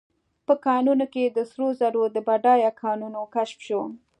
په کانونو کې د سرو زرو د بډایه کانونو کشف شو.